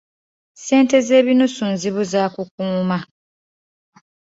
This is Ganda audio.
Ssente z’ebinusu nzibu za kukuuma.